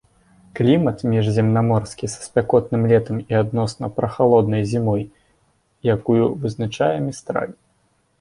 Клімат міжземнаморскі са спякотным летам і адносна прахалоднай зімой, якую вызначае містраль.